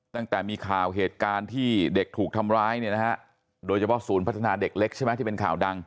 ตั้งแต่มีข่าวเหตุการณ์ที่เด็กถูกทำร้ายเนี่ยนะฮะโดยเฉพาะศูนย์พัฒนาเด็กเล็กใช่ไหมที่เป็นข่าวดัง